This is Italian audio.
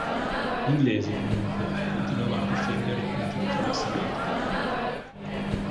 Gli inglesi, comunque, continuavano a difendere i punti di attraversamento del canale.